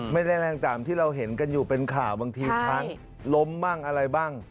ไม่ได้แรงตามที่เราเห็นกันอยู่เป็นข่าวบางทีช้างล้มบ้างอะไรบ้าง